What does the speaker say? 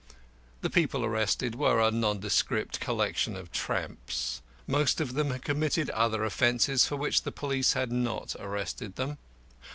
The people arrested were a nondescript collection of tramps. Most of them had committed other offences for which the police had not arrested them.